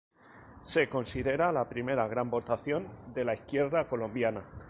Se la considera la primera gran votación de la izquierda colombiana.